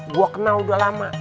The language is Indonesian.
gue kenal udah lama